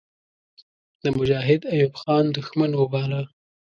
د مجاهد ایوب خان دښمن وباله.